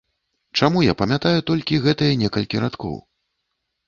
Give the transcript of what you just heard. Чаму я памятаю толькі гэтыя некалькі радкоў?